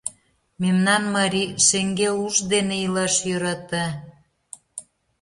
Мемнан марий шеҥгел уш дене илаш йӧрата.